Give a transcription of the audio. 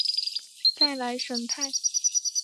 塞莱什泰。